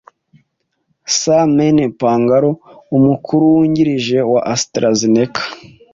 Sir Mene Pangalo, umukuru wungirije wa AstraZeneca,